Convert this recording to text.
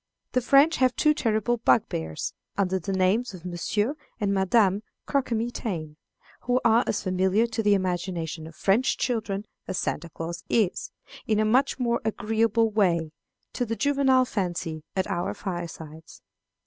The French have two terrible bugbears, under the names of Monsieur and Madame Croquemitaine, who are as familiar to the imaginations of French children as Santa Claus is, in a much more agreeable way, to the juvenile fancy at our firesides.